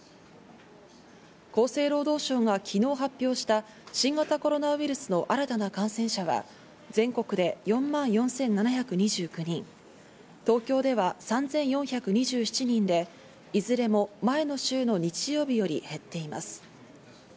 厚生労働省が昨日発表した新型コロナウイルスの新たな感染者は全国で４万４７２９人、東京では３４２７人で、いずれも前の週の日曜日より減っています。